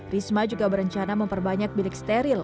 risma juga berencana memperbanyak bilik steril